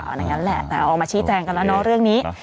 อย่างนั้นแหละแต่ออกมาชี้แจงกันแล้วเนาะเรื่องนี้